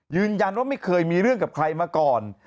ยืนยันว่าไม่เคยมีเรื่องกับใครมาก่อน